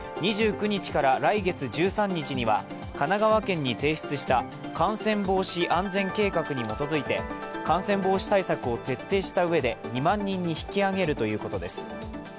２９日から来月１３日には神奈川県に提出した感染防止安全計画に基づいて、感染防止対策を徹底した上で２万人に引き上げるということです